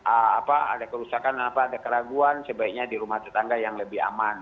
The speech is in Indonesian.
apa ada kerusakan apa ada keraguan sebaiknya di rumah tetangga yang lebih aman